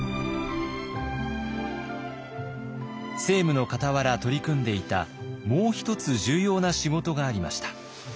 政務のかたわら取り組んでいたもう一つ重要な仕事がありました。